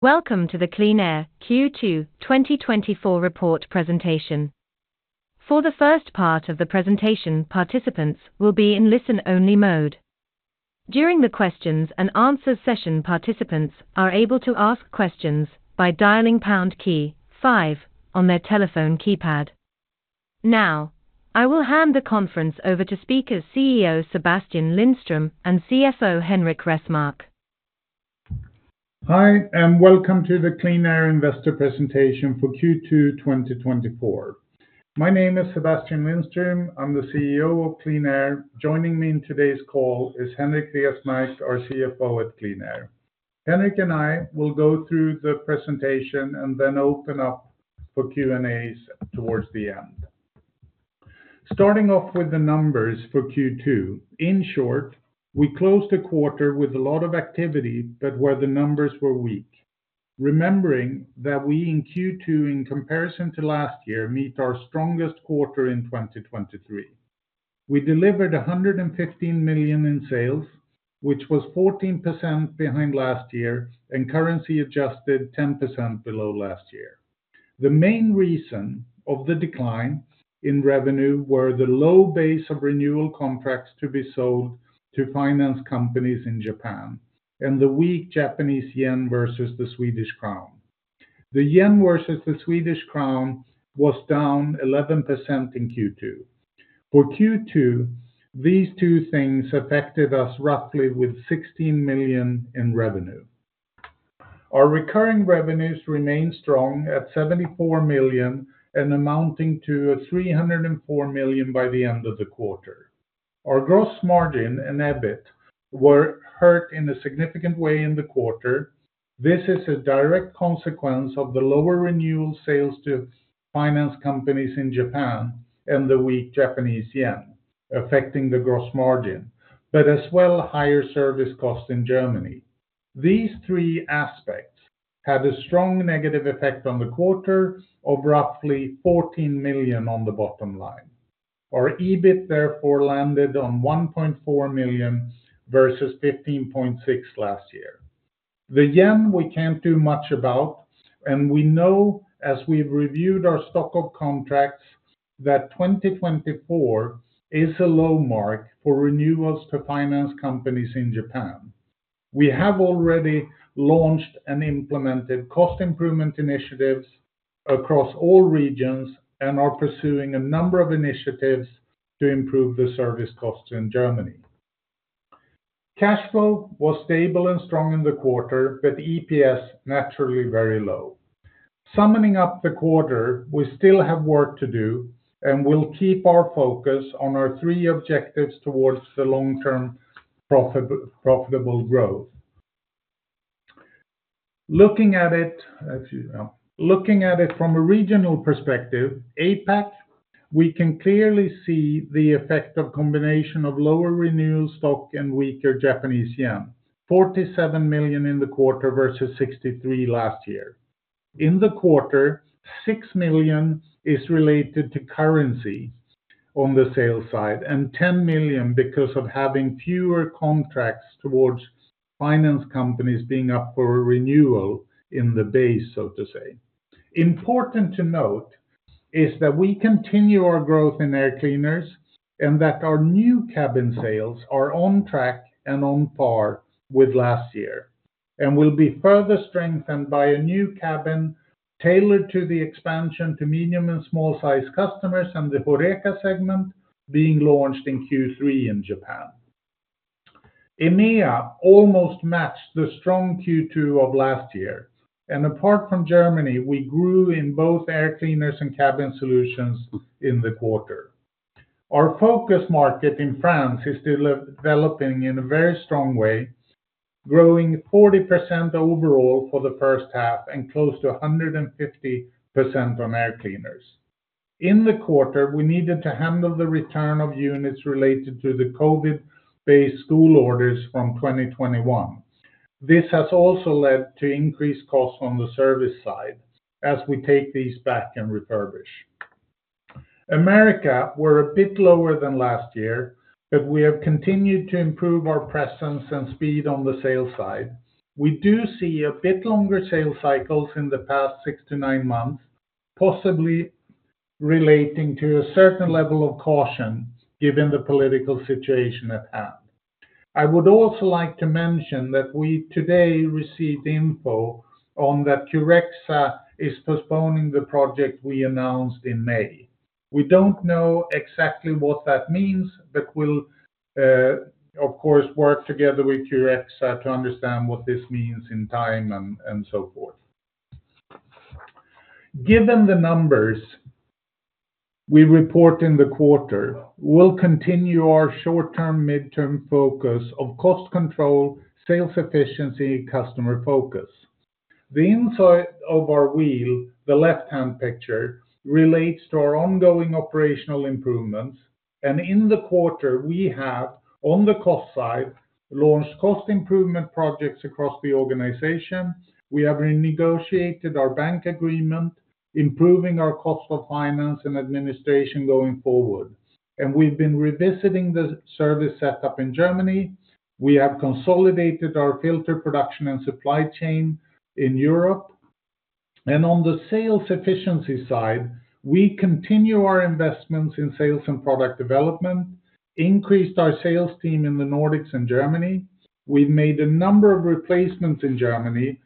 Welcome to the QleanAir Q2 2024 Report Presentation. For the first part of the presentation, participants will be in listen-only mode. During the questions-and-answers session, participants are able to ask questions by dialing pound key, five on their telephone keypad. Now, I will hand the conference over to speakers, CEO, Sebastian Lindström, and CFO, Henrik Resmark. Hi, and welcome to the QleanAir Investor Presentation for Q2 2024. My name is Sebastian Lindström. I'm the CEO of QleanAir. Joining me in today's call is Henrik Resmark, our CFO at QleanAir. Henrik and I will go through the presentation, and then open up for Q&As towards the end. Starting off with the numbers for Q2. In short, we closed the quarter with a lot of activity, but where the numbers were weak. Remembering that we in Q2, in comparison to last year, meet our strongest quarter in 2023. We delivered 115 million in sales, which was 14% behind last year and currency adjusted 10% below last year. The main reason of the decline in revenue were the low base of renewal contracts to be sold to finance companies in Japan, and the weak Japanese yen versus the Swedish krona. The yen versus the Swedish krona was down 11% in Q2. For Q2, these two things affected us roughly with 16 million in revenue. Our recurring revenues remain strong at 74 million, and amounting to 304 million by the end of the quarter. Our gross margin and EBIT were hurt in a significant way in the quarter. This is a direct consequence of the lower renewal sales to finance companies in Japan and the weak Japanese yen affecting the gross margin, but as well, higher service costs in Germany. These three aspects had a strong negative effect on the quarter, of roughly 14 million on the bottom line. Our EBIT therefore landed on 1.4 million versus 15.6 million last year. The yen, we can't do much about, and we know, as we've reviewed our stock of contracts, that 2024 is a low mark for renewals to finance companies in Japan. We have already launched and implemented cost improvement initiatives across all regions, and are pursuing a number of initiatives to improve the service costs in Germany. Cash flow was stable and strong in the quarter, but EPS, naturally very low. Summing up the quarter, we still have work to do and we'll keep our focus on our three objectives towards the long-term profitable growth. Let's see now. Looking at it from a regional perspective, APAC, we can clearly see the effect of combination of lower renewal stock and weaker Japanese yen, 47 million in the quarter versus 63 million last year. In the quarter, 6 million is related to currency on the sales side, and 10 million because of having fewer contracts towards finance companies being up for renewal in the base, so to say. Important to note is that we continue our growth in air cleaners, and that our new cabin sales are on track and on par with last year, and will be further strengthened by a new cabin tailored to the expansion to medium and small-sized customers and the HoReCa segment being launched in Q3 in Japan. EMEA almost matched the strong Q2 of last year. Apart from Germany, we grew in both air cleaners and cabin solutions in the quarter. Our focus market in France is developing in a very strong way, growing 40% overall for the first half and close to 150% on air cleaners. In the quarter, we needed to handle the return of units related to the COVID-based school orders from 2021. This has also led to increased costs on the service side, as we take these back and refurbish. America, we're a bit lower than last year, but we have continued to improve our presence and speed on the sales side. We do see a bit longer sales cycles in the past six to nine months, possibly relating to a certain level of caution, given the political situation at hand. I would also like to mention that we today received info that Curexa is postponing the project we announced in May. We don't know exactly what that means, but we'll of course work together with Curexa to understand what this means in time and so forth. Given the numbers we report in the quarter, we'll continue our short-term, midterm focus of cost control, sales efficiency, customer focus. The inside of our wheel, the left-hand picture, relates to our ongoing operational improvements. In the quarter, we have on the cost side, launched cost improvement projects across the organizations. We have renegotiated our bank agreement, improving our cost for finance and administration going forward. We've been revisiting the service setup in Germany. We have consolidated our filter production and supply chain in Europe. On the sales efficiency side, we continue our investments in sales and product development, increased our sales team in the Nordics and Germany. We've made a number of replacements in Germany,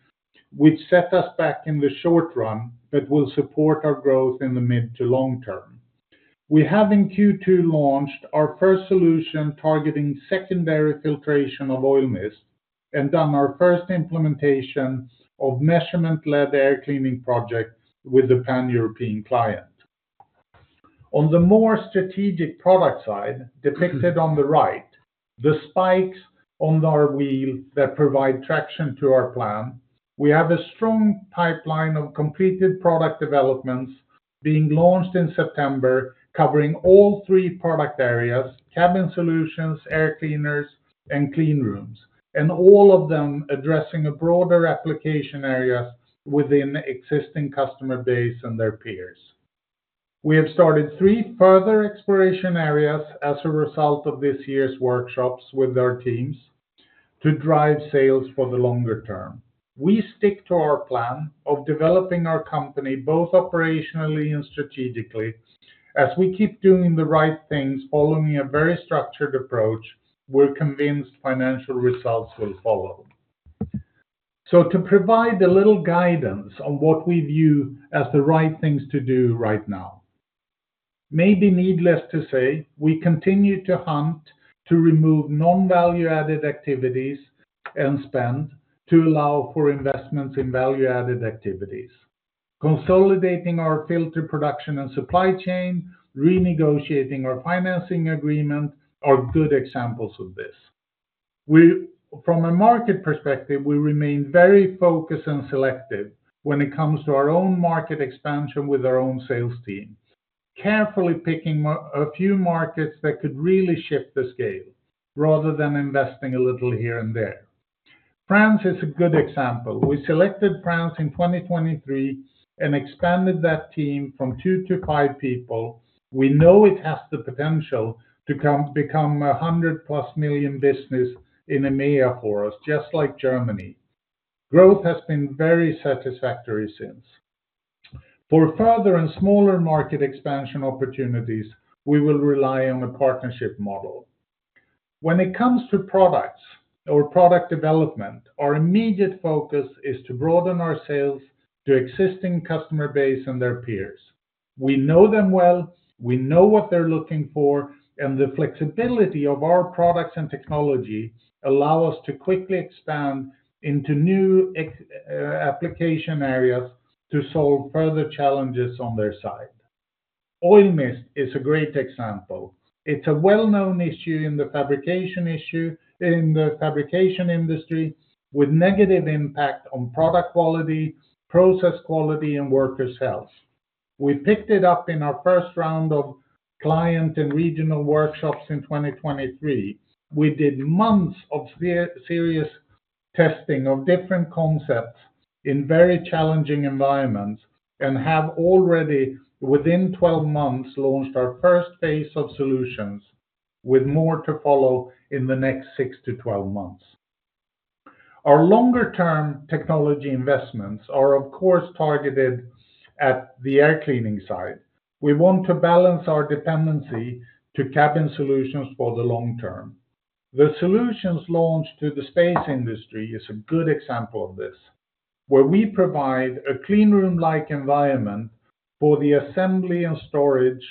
which set us back in the short run, but will support our growth in the mid to long term. We have in Q2 launched our first solution targeting secondary filtration of oil mist, and done our first implementation of measurement-led air cleaning projects with the Pan-European client. On the more strategic product side, depicted on the right, the spikes on our wheel that provide traction to our plan, we have a strong pipeline of completed product developments being launched in September, covering all three product areas, cabin solutions, air cleaners, and clean rooms, and all of them addressing a broader application area within the existing customer base and their peers. We have started three further exploration areas as a result of this year's workshops with our teams, to drive sales for the longer term. We stick to our plan of developing our company, both operationally and strategically. As we keep doing the right things, following a very structured approach, we're convinced financial results will follow. To provide a little guidance on what we view as the right things to do right now, maybe needless to say, we continue to hunt to remove non-value-added activities and spend, to allow for investments in value-added activities. Consolidating our filter production and supply chain, renegotiating our financing agreement are good examples of this. From a market perspective, we remain very focused and selective when it comes to our own market expansion with our own sales team, carefully picking a few markets that could really shift the scale, rather than investing a little here and there. France is a good example. We selected France in 2023, and expanded that team from two to five people. We know it has the potential to become a 100+ million business in EMEA for us, just like Germany. Growth has been very satisfactory since. For further and smaller market expansion opportunities, we will rely on a partnership model. When it comes to products or product development, our immediate focus is to broaden our sales to existing customer base and their peers. We know them well, we know what they're looking for, and the flexibility of our products and technology allow us to quickly expand into new application areas to solve further challenges on their side. Oil mist is a great example. It's a well-known issue in the fabrication industry, with negative impact on product quality, process quality, and workers' health. We picked it up in our first round of client and regional workshops in 2023. We did months of serious testing of different concepts in very challenging environments, and have already, within 12 months, launched our first phase of solutions, with more to follow in the next six to 12 months. Our longer-term technology investments are of course targeted at the air cleaning side. We want to balance our dependency to cabin solutions for the long term. The solutions launched to the space industry is a good example of this, where we provide a clean room-like environment for the assembly and storage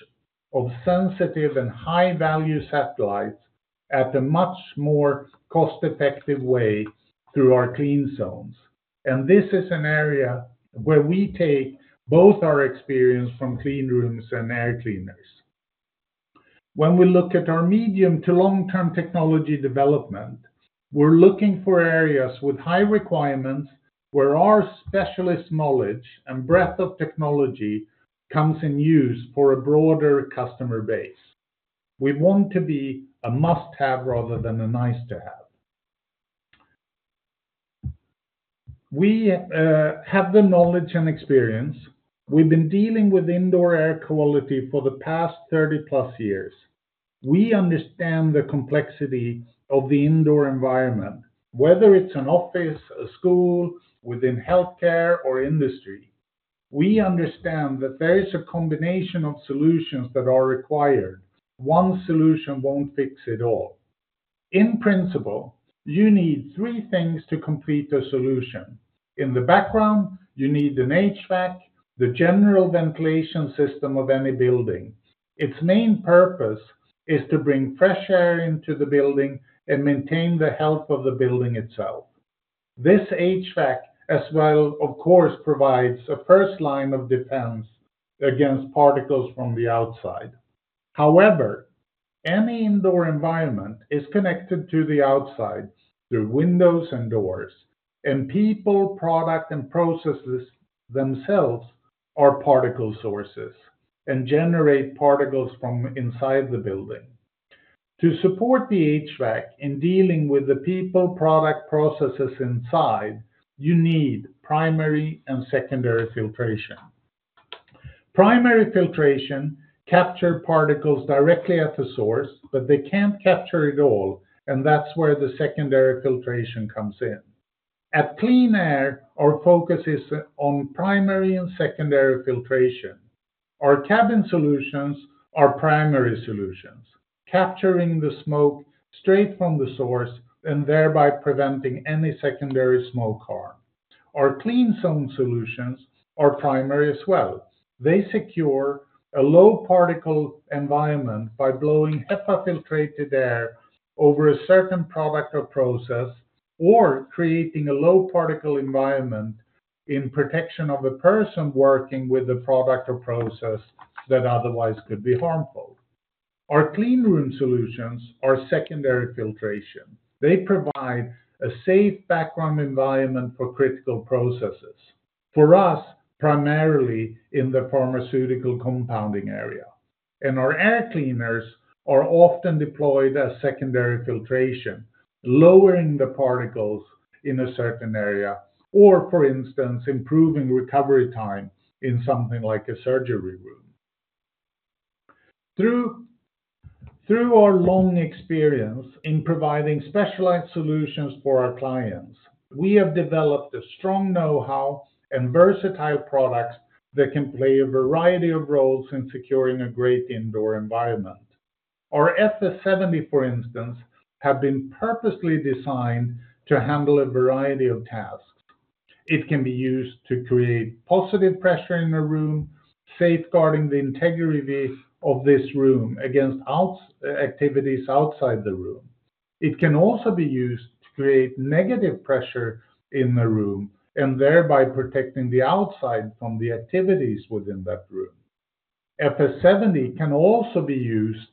of sensitive, and high-value satellites at a much more cost-effective way through our clean zones. This is an area where we take both our experience from cleanrooms and air cleaners. When we look at our medium to long-term technology development, we're looking for areas with high requirements, where our specialist knowledge and breadth of technology comes in use for a broader customer base. We want to be a must-have rather than a nice-to-have. We have the knowledge and experience. We've been dealing with indoor air quality for the past 30+ years. We understand the complexity of the indoor environment, whether it's an office, a school, within healthcare or industry. We understand that there is a combination of solutions that are required. One solution won't fix it all. In principle, you need three things to complete a solution. In the background, you need an HVAC, the general ventilation system of any building. Its main purpose is to bring fresh air into the building and maintain the health of the building itself. This HVAC as well of course provides a first line of defense against particles from the outside. However, any indoor environment is connected to the outside, through windows and doors, and people, product, and processes themselves are particle sources and generate particles from inside the building. To support the HVAC in dealing with the people, product, processes inside, you need primary and secondary filtration. Primary filtration capture particles directly at the source, but they can't capture it all, and that's where the secondary filtration comes in. At QleanAir, our focus is on primary and secondary filtration. Our cabin solutions are primary solutions, capturing the smoke straight from the source and thereby preventing any secondary smoke harm. Our clean zone solutions are primary as well. They secure a low particle environment by blowing HEPA-filtrated air over a certain product or process, or creating a low particle environment in protection of a person working with a product or process that otherwise could be harmful. Our clean room solutions are secondary filtration. They provide a safe background environment for critical processes for us, primarily in the pharmaceutical compounding area. Our air cleaners are often deployed as secondary filtration, lowering the particles in a certain area or for instance, improving recovery times in something like a surgery room. Through our long experience in providing specialized solutions for our clients, we have developed a strong know-how and versatile products that can play a variety of roles in securing a great indoor environment. Our FS 70, for instance, have been purposely designed to handle a variety of tasks. It can be used to create positive pressure in a room, safeguarding the integrity of this room against activities outside the room. It can also be used to create negative pressure in the room, and thereby protecting the outside from the activities within that room. FS 70 can also be used,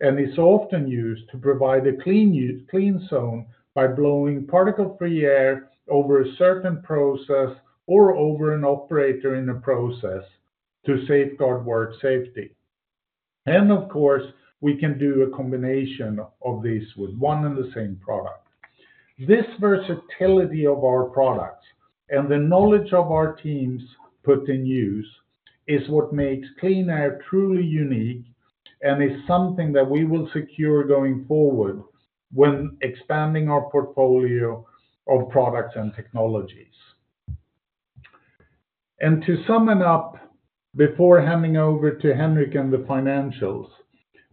and is often used, to provide a clean zone by blowing particle-free air over a certain process or over an operator in a process to safeguard work safety. Of course, we can do a combination of these with one and the same product. This versatility of our products and the knowledge of our teams put in use, is what makes QleanAir truly unique and is something that we will secure going forward when expanding our portfolio of products and technologies. To sum it up, before handing over to Henrik and the financials,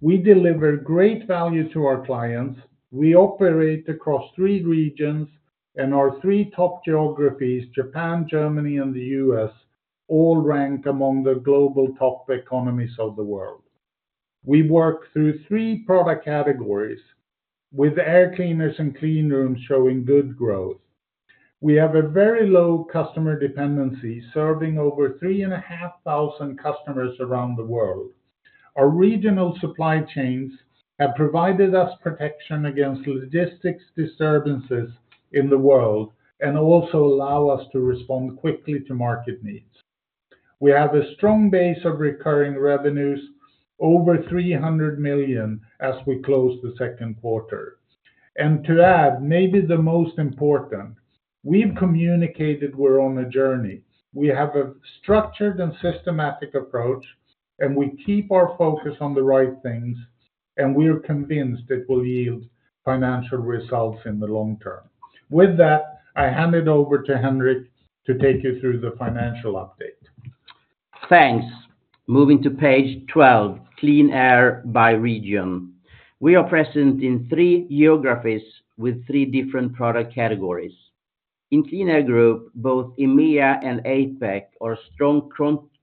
we deliver great value to our clients. We operate across three regions, and our three top geographies, Japan, Germany, and the U.S. all rank among the global top economies of the world. We work through three product categories, with air cleaners and cleanrooms showing good growth. We have a very low customer dependency, serving over 3,500 customers around the world. Our regional supply chains have provided us protection against logistics disturbances in the world, and also allow us to respond quickly to market needs. We have a strong base of recurring revenues, over 300 million as we close the second quarter. To add, maybe the most important, we've communicated we're on a journey. We have a structured and systematic approach, and we keep our focus on the right things and we are convinced it will yield financial results in the long term. With that, I hand it over to Henrik to take you through the financial update. Thanks. Moving to page 12, QleanAir by region. We are present in three geographies with three different product categories. In QleanAir Group, both EMEA and APAC are strong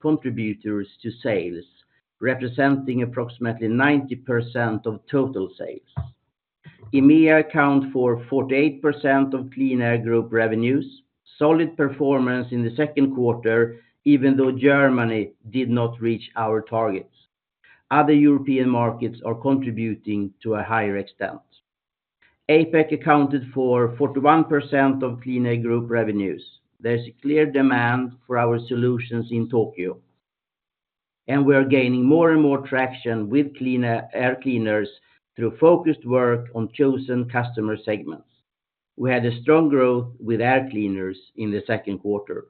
contributors to sales, representing approximately 90% of total sales. EMEA accounts for 48% of QleanAir Group revenues, solid performance in the second quarter, even though Germany did not reach our targets. Other European markets are contributing to a higher extent. APAC accounted for 41% of QleanAir Group revenues. There's a clear demand for our solutions in Tokyo, and we are gaining more and more traction with QleanAir air cleaners through focused work on chosen customer segments. We had a strong growth with air cleaners in the second quarter,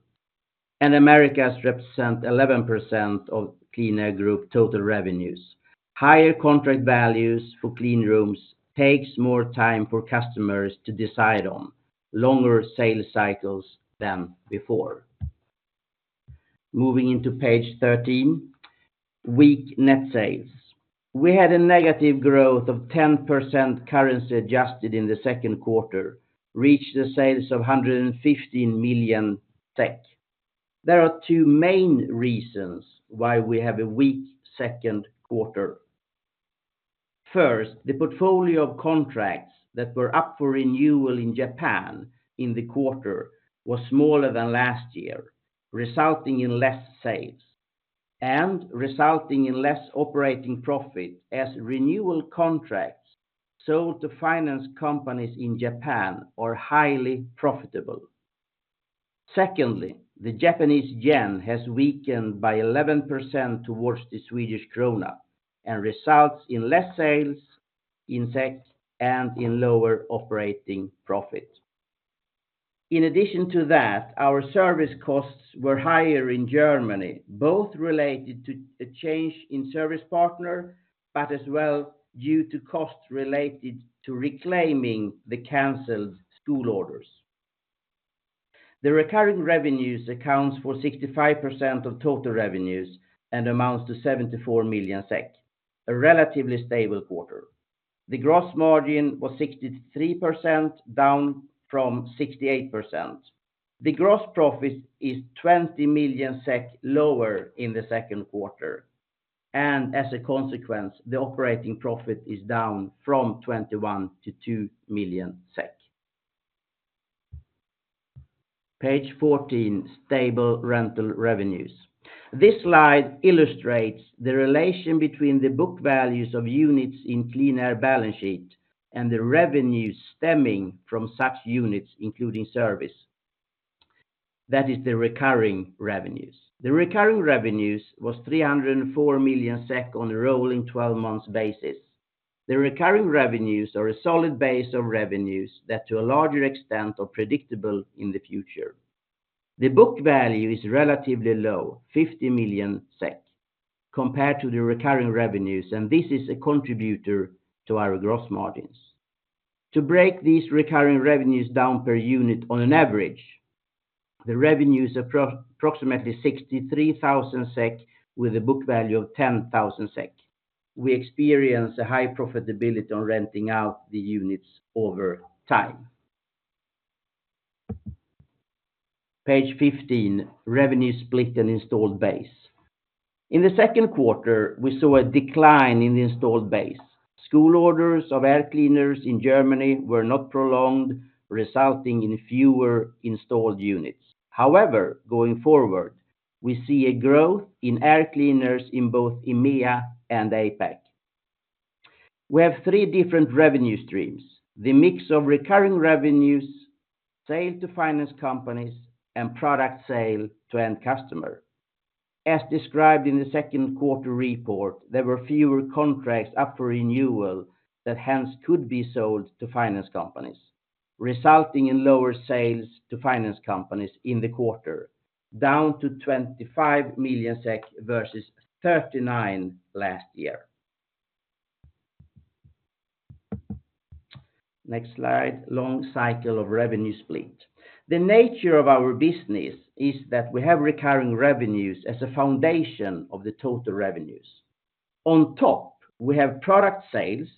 and Americas represent 11% of QleanAir Group total revenues. Higher contract values for cleanrooms takes more time for customers to decide on longer sales cycles than before. Moving into page 13, weak net sales. We had a negative growth of 10% currency adjusted in the second quarter, reached the sales of 115 million SEK. There are two main reasons why we have a weak second quarter. First, the portfolio of contracts that were up for renewal in Japan in the quarter was smaller than last year, resulting in less sales and resulting in less operating profit, as renewal contracts sold to finance companies in Japan are highly profitable. Secondly, the Japanese yen has weakened by 11% towards the Swedish krona, and results in less sales in SEK and in lower operating profit. In addition to that, our service costs were higher in Germany, both related to a change in service partner, but as well, due to costs related to reclaiming the canceled school orders. The recurring revenues accounts for 65% of total revenues and amounts to 74 million SEK, a relatively stable quarter. The gross margin was 63%, down from 68%. The gross profit is 20 million SEK lower in the second quarter, and as a consequence, the operating profit is down from 21 million-2 million SEK. Page 14, stable rental revenues. This slide illustrates the relation between the book values of units in QleanAir balance sheet, and the revenues stemming from such units, including service. That is the recurring revenues. The recurring revenues was 304 million SEK on a rolling 12 months basis. The recurring revenues are a solid base of revenues that, to a larger extent, are predictable in the future. The book value is relatively low, 50 million SEK compared to the recurring revenues, and this is a contributor to our gross margins. To break these recurring revenues down per unit on an average, the revenues are approximately 63,000 SEK, with a book value of 10,000 SEK. We experience a high profitability on renting out the units over time. Page 15, revenue split and installed base. In the second quarter, we saw a decline in the installed base. School orders of air cleaners in Germany were not prolonged, resulting in fewer installed units. However, going forward, we see a growth in air cleaners in both EMEA and APAC. We have three different revenue streams, the mix of recurring revenues, sale to finance companies, and product sale to end customer. As described in the second quarter report, there were fewer contracts up for renewal that hence could be sold to finance companies, resulting in lower sales to finance companies in the quarter, down to 25 million SEK versus 39 million last year. Next slide, long cycle of revenue split. The nature of our business is that we have recurring revenues as a foundation of the total revenues. On top, we have product sales,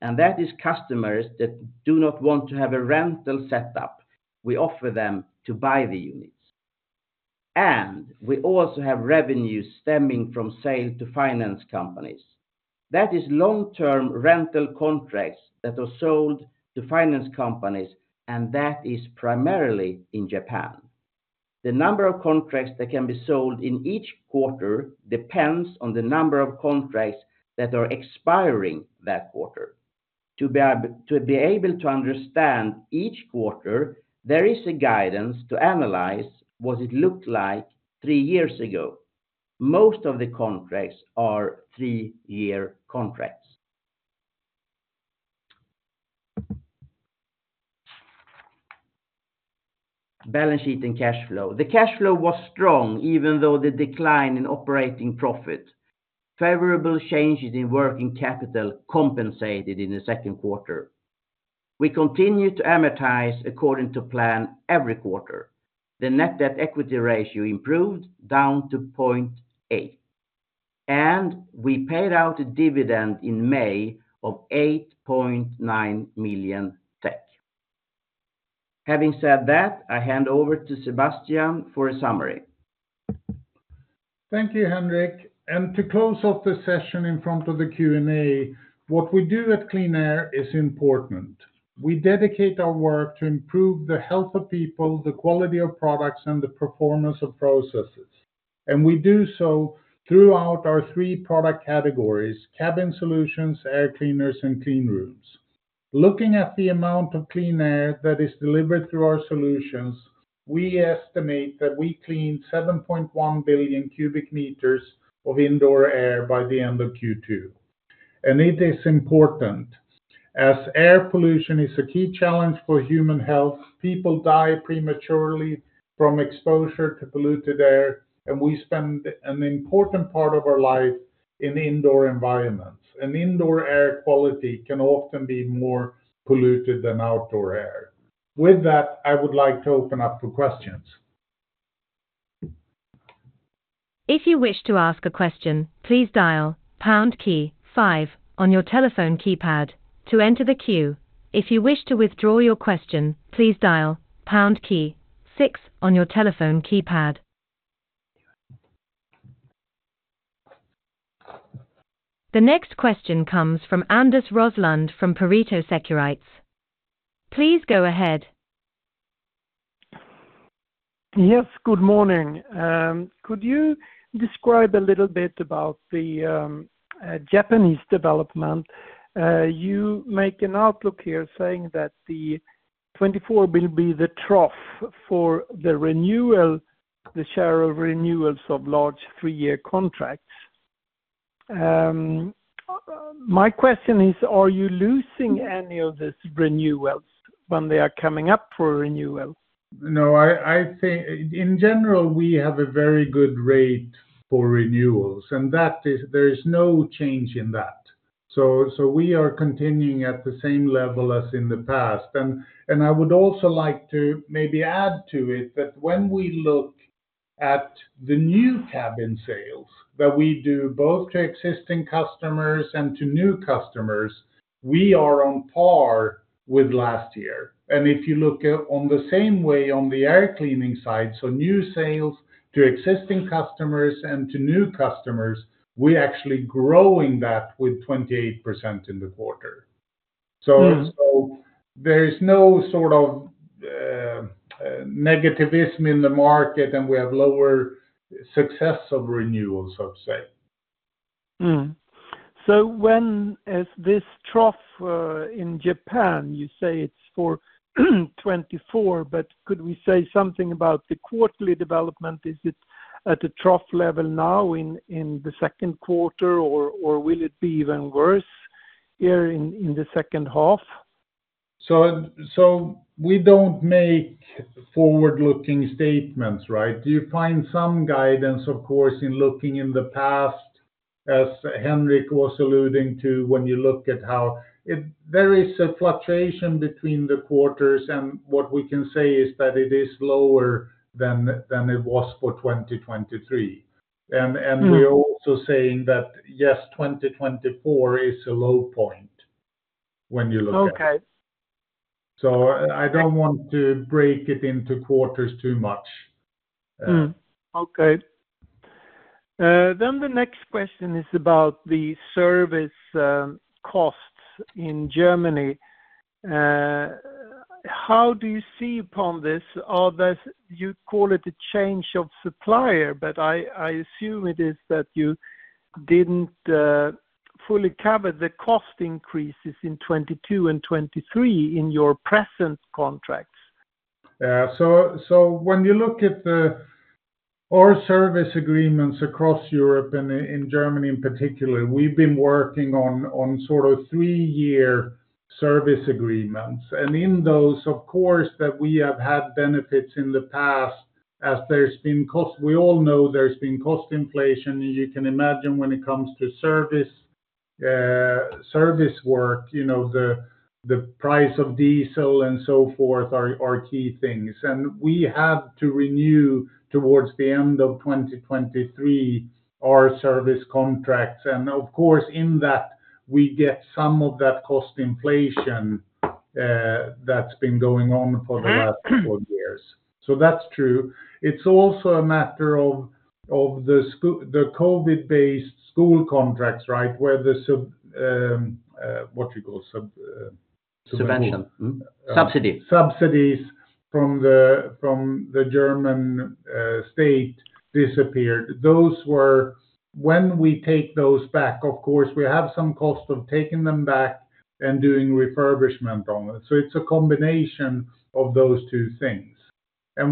and that is customers that do not want to have a rental setup. We offer them to buy the units, and we also have revenues stemming from sale to finance companies. That is long-term rental contracts that are sold to finance companies, and that is primarily in Japan. The number of contracts that can be sold in each quarter depends on the number of contracts that are expiring that quarter. To be able to understand each quarter, there is a guidance to analyze what it looked like three years ago. Most of the contracts are three-year contracts. Balance sheet and cash flow, the cash flow was strong, even though the decline in operating profit, favorable changes in working capital compensated in the second quarter. We continue to amortize according to plan every quarter. The net debt equity ratio improved down to 0.8, and we paid out a dividend in May of 8.9 million. Having said that, I hand over to Sebastian for a summary. Thank you, Henrik. To close off the session in front of the Q&A, what we do at QleanAir is important. We dedicate our work to improve the health of people, the quality of products, and the performance of processes. We do so throughout our three product categories, cabin solutions, air cleaners, and clean rooms. Looking at the amount of clean air that is delivered through our solutions, we estimate that we clean 7.1 billion m³ of indoor air by the end of Q2. It is important, as air pollution is a key challenge for human health. People die prematurely from exposure to polluted air and we spend an important part of our life in indoor environments, and indoor air quality can often be more polluted than outdoor air. With that, I would like to open up for questions. If you wish to ask a question, please dial pound key, five on your telephone keypad to enter the queue. If you wish to withdraw your question, please dial pound key, six on your telephone keypad. The next question comes from Anders Roslund from Pareto Securities. Please go ahead. Yes, good morning. Could you describe a little bit about the Japanese development? You make an outlook here, saying that 2024 will be the trough for the share of renewals of large three-year contracts. My question is, are you losing any of these renewals when they are coming up for renewal? No, I think in general, we have a very good rate for renewals, and that is, there is no change in that. We are continuing at the same level as in the past. I would also like to maybe add to it, that when we look at the new cabin sales that we do both to existing customers and to new customers, we are on par with last year. If you look on the same way on the air cleaning side, so new sales to existing customers and to new customers, we're actually growing that, with 28% in the quarter. There is no sort of negativism in the market, and we have lower success of renewals, I would say. When is this trough in Japan? You say it's for 2024, but could we say something about the quarterly development? Is it at a trough level now in the second quarter or will it be even worse here in the second half? We don't make forward-looking statements, right? Do you find some guidance of course in looking in the past. As Henrik was alluding to, when you look at how there is a fluctuation between the quarters, what we can say is that it is lower than it was for 2023. We're also saying that, yes, 2024 is a low point when you look at it. Okay. I don't want to break it into quarters too much. Okay. Then the next question is about the service costs in Germany. How do you see upon this? You call it a change of supplier, but I assume it is that you didn't fully cover the cost increases in 2022 and 2023 in your present contracts. When you look at our service agreements across Europe and in Germany in particular, we've been working on sort of three-year service agreements. In those, of course that we have had benefits in the past, as we all know, there's been cost inflation and you can imagine when it comes to service work, the price of diesel and so forth are key things. We have to renew, towards the end of 2023, our service contracts. Of course in that, we get some of that cost inflation that's been going on for the last four years, so that's true. It's also a matter of the COVID-based school contracts, right? Where the sub, what you call sub. Subsidy. Subsidies from the German state disappeared. When we take those back of course, we have some cost of taking them back and doing refurbishment on it. It's a combination of those two things.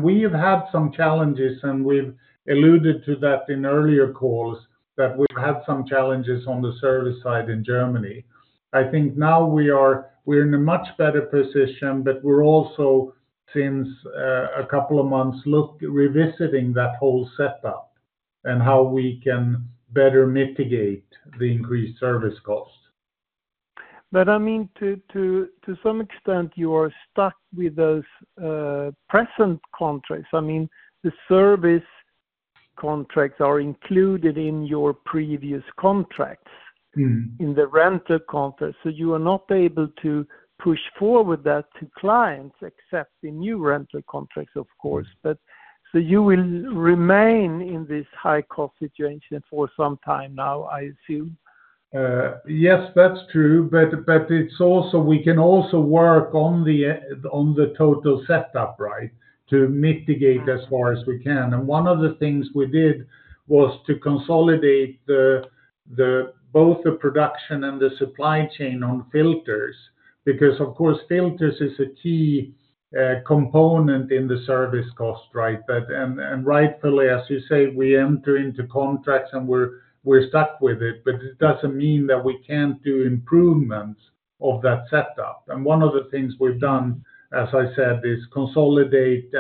We have had some challenges, and we've alluded to that in earlier calls, that we've had some challenges on the service side in Germany. I think now we're in a much better position, but we're also, since a couple of months, revisiting that whole setup and how we can better mitigate the increased service cost. I mean, to some extent, you are stuck with those present contracts. I mean, the service contracts are included in your previous contracts, in the rental contracts, so you are not able to push forward that to clients, except in new rental contracts of course, but you will remain in this high-cost situation for some time now, I assume? Yes, that's true, but it's also, we can also work on the total setup, right? To mitigate as far as we can. One of the things we did, was to consolidate both the production and the supply chain on filters, because of course filters is a key component in the service cost, right? Rightfully, as you say, we enter into contracts, and we're stuck with it, but it doesn't mean that we can't do improvements of that setup. One of the things we've done, as I said, is consolidate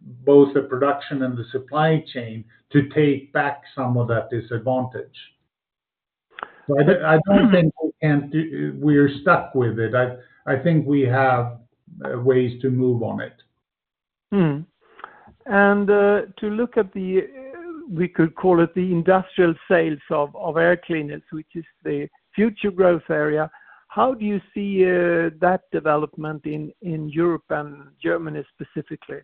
both the production and the supply chain to take back some of that disadvantage. I don't thinkwe're stuck with it. I think we have ways to move on it. To look at the, we could call it, the industrial sales of air cleaners, which is the future growth area, how do you see that development in Europe and Germany specifically?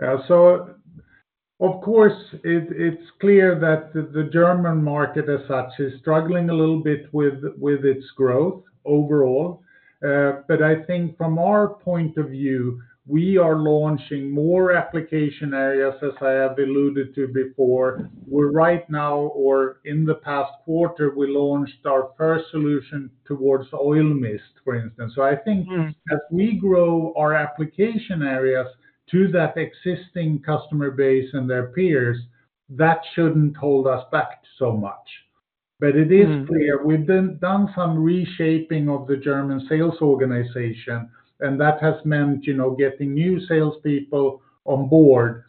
Of course, it's clear that the German market as such, is struggling a little bit with its growth overall. I think from our point of view, we are launching more application areas, as I have alluded to before. We're right now or in the past quarter, we launched our first solution towards oil mist, for instance. I think as we grow our application areas to that existing customer base and their peers, that shouldn't hold us back so much. It is clear we've done some reshaping of the German sales organization, and that has meant getting new salespeople on board.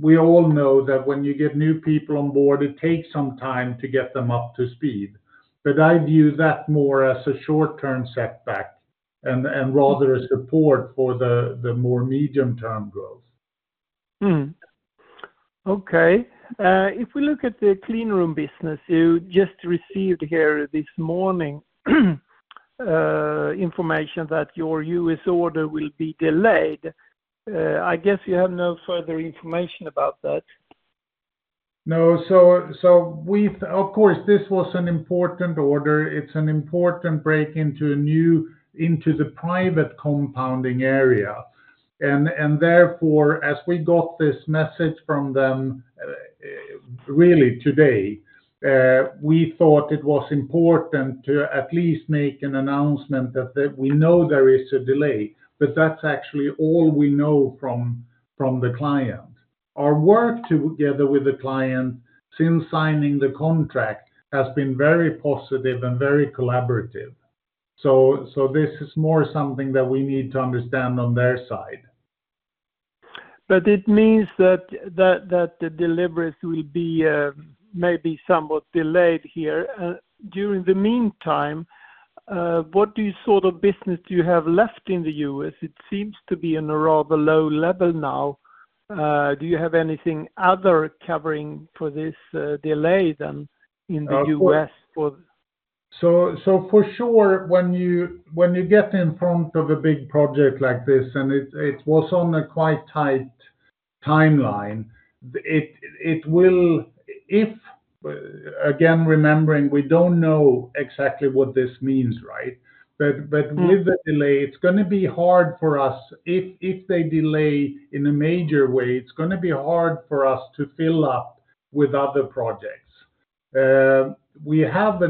We all know that when you get new people on board, it takes some time to get them up to speed. I view that more as a short-term setback, and rather a support for the more medium-term growth. Okay. If we look at the cleanroom business, you just received here this morning, information that your U.S. order will be delayed. I guess you have no further information about that. No. Of course, this was an important order. It's an important break into the private compounding area. Therefore, as we got this message from them really today, we thought it was important to at least make an announcement that we know there is a delay, but that's actually all we know from the client. Our work together with the client since signing the contract has been very positive and very collaborative. This is more something that we need to understand on their side. It means that the deliveries will be maybe somewhat delayed here. During the meantime, what sort of business do you have left in the U.S.? It seems to be in a rather low level now. Do you have anything other covering for this delay then in the U.S.? For sure, when you get in front of a big project like this, and it was on a quite tight timeline, again, remembering, we don't know exactly what this means, right? With the delay, it's going be hard for us if they delay in a major way, it's going to be hard for us to fill up with other projects. We have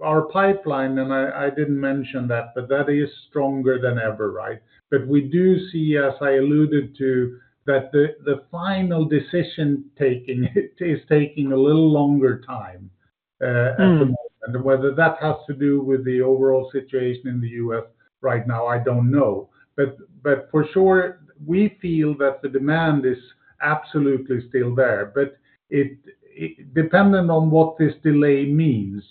our pipeline and I didn't mention that, but that is stronger than ever, right? We do see, as I alluded to, that the final decision-taking is taking a little longer time at the moment. Whether that has to do with the overall situation in the U.S. right now, I don't know. For sure, we feel that the demand is absolutely still there, but dependent on what this delay means,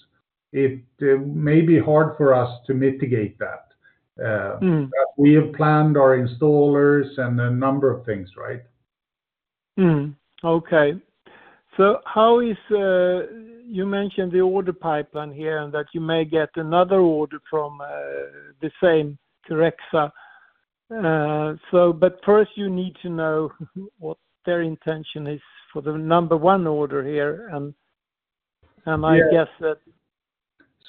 it may be hard for us to mitigate that. We have planned our installers, and a number of things, right? Okay. You mentioned the order pipeline here, and that you may get another order from the same Curexa. First, you need to know what their intention is for the number one order here. Yes.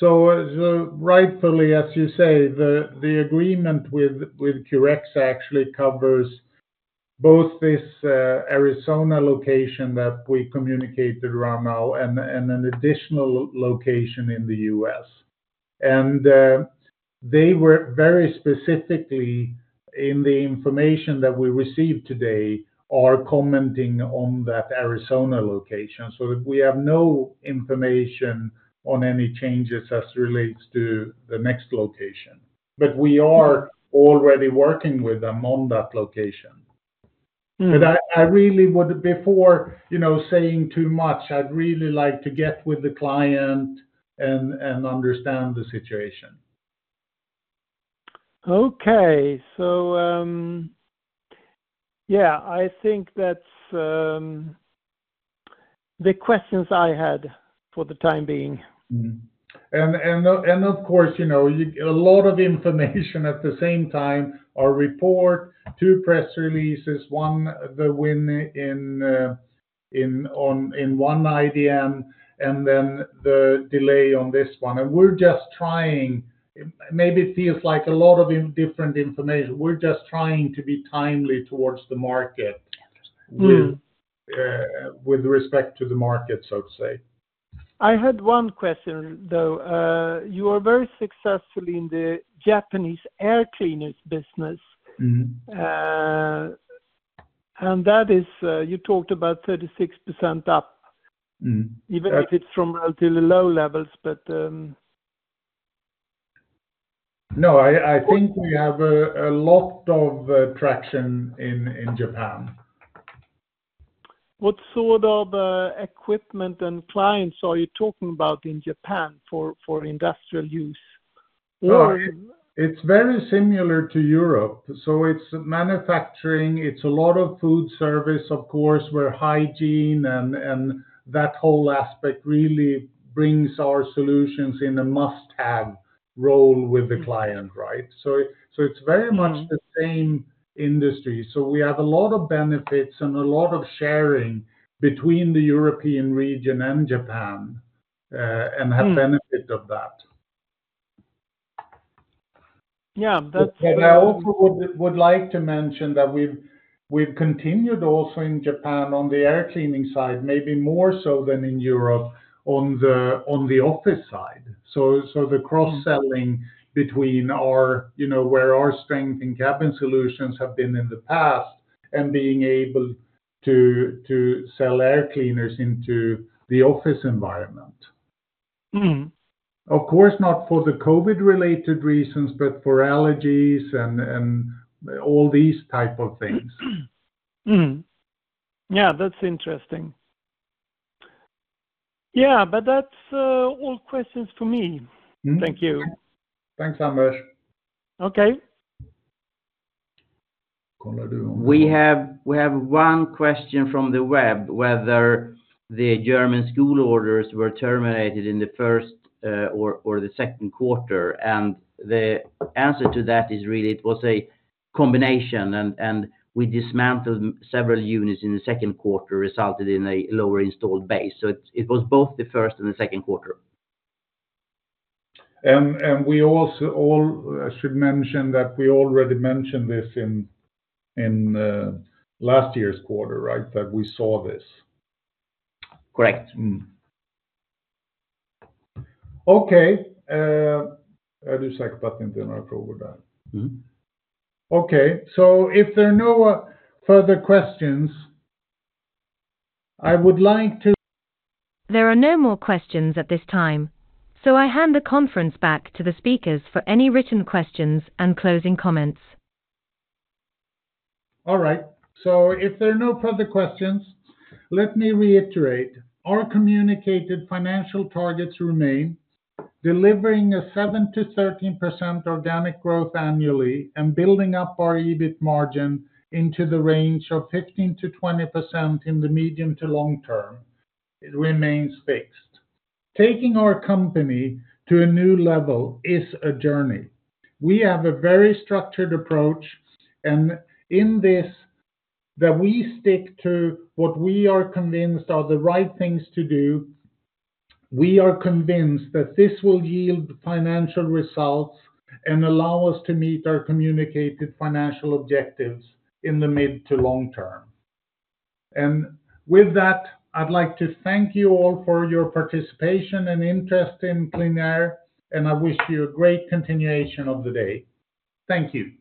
Rightfully, as you say, the agreement with Curexa actually covers both this Arizona location that we communicated around now, and an additional location in the U.S. They were very specific in the information that we received today, are commenting on that Arizona location. We have no information on any changes as relates to the next location, but we are already working with them on that location. Before saying too much, I'd really like to get with the client and understand the situation. Okay. Yeah, I think that's the questions I had for the time being. Of course, you know, a lot of information at the same time, our report, two press releases, one, the win in one IDM and then the delay on this one, we're just trying. Maybe it feels like a lot of different information. We're just trying to be timely towards the market, with respect to the market, so to say. I had one question, though. You are very successful in the Japanese air cleaners business, and you talked about 36% up, even if it's from relatively low levels. No, I think we have a lot of traction in Japan. What sort of equipment and clients are you talking about in Japan for industrial use? Yeah. It's very similar to Europe, so it's manufacturing, it's a lot of food service of course, where hygiene and that whole aspect really brings our solutions in a must-have role with the client, right? It's very much the same industry. We have a lot of benefits and a lot of sharing between the European region and Japan, and have benefit of that. Yeah. I also would like to mention that we've continued also in Japan on the air cleaning side, maybe more so than in Europe, on the office side. The cross-selling between where our strength in cabin solutions have been in the past, and being able to sell air cleaners into the office environment. Of course, not for the COVID related reasons, but for allergies and all these type of things. Yeah, that's interesting. Yeah, but that's all questions for me. Thank you. Thanks, Anders. Okay. We have one question from the web, whether the German school orders were terminated in the first or the second quarter. The answer to that is really, it was a combination. We dismantled several units in the second quarter, resulted in a lower installed base, so it was both the first and the second quarter. I should mention that we already mentioned this in last year's quarter, right? That we saw this. Correct. Okay. There are no more questions at this time, so I hand the conference back to the speakers for any written questions and closing comments. All right, so if there are no further questions, let me reiterate. Our communicated financial targets remain, delivering a 7%-13% organic growth annually and building up our EBIT margin into the range of 15%-20% in the medium to long term, it remains fixed. Taking our company to a new level is a journey. We have a very structured approach in this, that we stick to what we are convinced are the right things to do. We are convinced that this will yield financial results, and allow us to meet our communicated financial objectives in the mid to long term. With that, I'd like to thank you all for your participation and interest in QleanAir, and I wish you a great continuation of the day. Thank you.